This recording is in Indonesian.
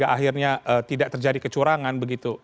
akhirnya tidak terjadi kecurangan begitu